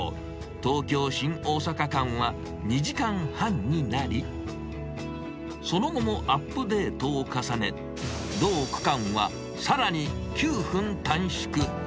東京・新大阪間は２時間半になり、その後もアップデートを重ね、同区間はさらに９分短縮。